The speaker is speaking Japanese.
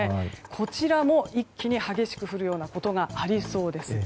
こちらも一気に激しく降ることがありそうです。